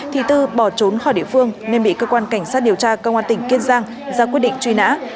thì tư bỏ trốn khỏi địa phương nên bị cơ quan cảnh sát điều tra công an tỉnh kiên giang ra quyết định truy nã